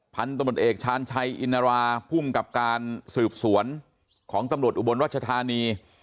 พันธุ์ตำรวจเอกชาญชัยอินราภูมิกับการสืบสวนของตำรวจอุบลรัชธานี